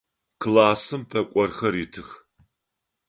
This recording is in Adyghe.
Классым пӏэкӏорхэр итых.